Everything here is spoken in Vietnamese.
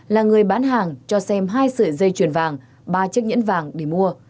là người bán hàng cho xem hai sợi dây chuyền vàng ba chiếc nhẫn vàng để mua